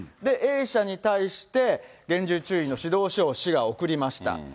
Ａ社に対して、厳重注意の指導書を市が送りました。